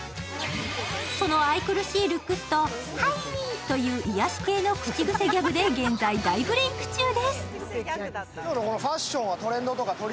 その愛くるしいルックスと「はい」という癒し系の口癖ギャグで現在、大ブレイク中です。